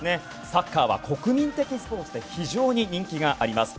サッカーは国民的スポーツで非常に人気があります。